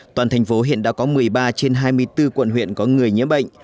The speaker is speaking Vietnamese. toàn thành phố hiện đã có một mươi ba trên hai mươi bốn quận huyện có người nhiễm bệnh